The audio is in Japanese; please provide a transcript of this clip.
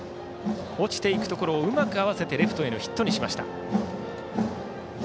落ちていくところをうまく合わせレフトへのヒットにしました。